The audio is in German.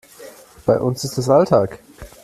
Bei uns ist das Alltag.